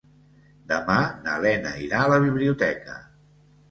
Demà na Lena irà a la biblioteca.